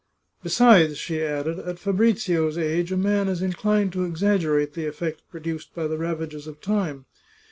" Besides," she added, " at Fabrizio's age a man is inclined to exaggerate the effect produced by the ravages of time.